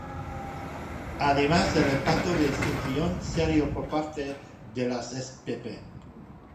Además del impacto de extinción serio por parte de las spp.